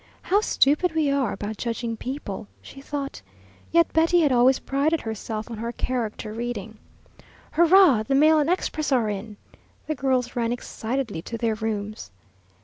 "How stupid we are about judging people!" she thought. Yet Betty had always prided herself on her character reading. "Hurrah, the mail and express are in!" The girls ran excitedly to their rooms.